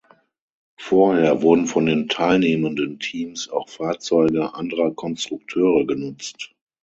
Vorher wurden von den teilnehmenden Teams auch Fahrzeuge anderer Konstrukteure genutzt.